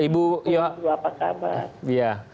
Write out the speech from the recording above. bu apa kabar